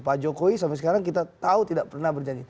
pak jokowi sampai sekarang kita tahu tidak pernah berjanji